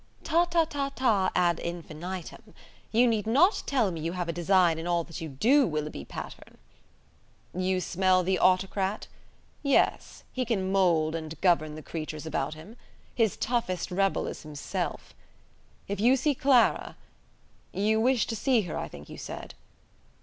"Ta ta ta ta ad infinitum. You need not tell me you have a design in all that you do, Willoughby Patterne." "You smell the autocrat? Yes, he can mould and govern the creatures about him. His toughest rebel is himself! If you see Clara ... You wish to see her, I think you said?"